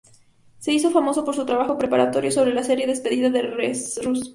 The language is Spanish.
Se hizo famoso por su trabajo preparatorio sobre la serie "Despedida de Rus".